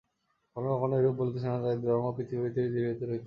কখনও কখনও এইরূপ বলিতে শোনা যায় যে, ধর্মভাব পৃথিবী হইতে তিরোহিত হইতেছে।